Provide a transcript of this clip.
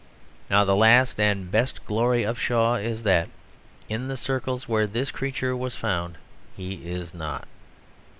Now the last and best glory of Shaw is that in the circles where this creature was found, he is not.